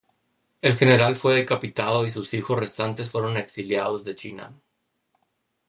El general fue decapitado y sus hijos restantes fueron exiliados de China.